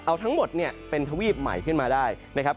เอาทั้งหมดเป็นทะวีบใหม่ขึ้นมาได้